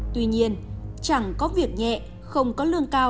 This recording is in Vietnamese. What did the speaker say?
tuy nhiên chẳng có việc nhẹ không có lương cao